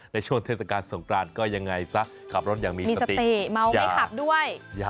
ช่วงเทศกาลสงกรานก็ยังไงซะขับรถอย่างมีสติเมาไม่ขับด้วย